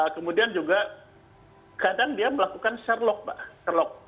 kemudian juga kadang dia melakukan share log